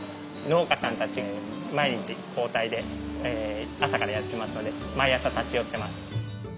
農家さんたち毎日交代で朝からやってますので毎朝立ち寄ってます。